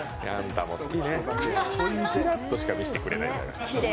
ちらっとしか見せてくれないから。